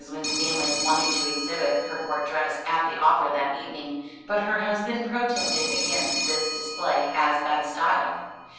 Winstanley wanted to exhibit her court dress at the opera that evening, but her husband protested against this display as bad style.